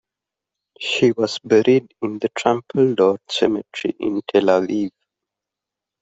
She was buried in the Trumpeldor Cemetery in Tel Aviv.